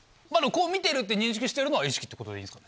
こう見てるって認識してるのは意識ってことでいいですかね？